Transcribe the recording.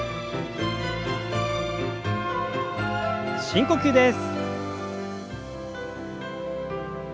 深呼吸です。